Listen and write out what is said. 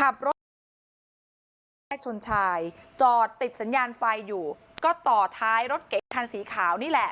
ขับรถกระบะแยกชนชายจอดติดสัญญาณไฟอยู่ก็ต่อท้ายรถเก๋งคันสีขาวนี่แหละ